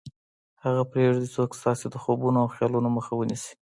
مه پرېږدئ څوک ستاسې د خوبونو او خیالونو مخه ونیسي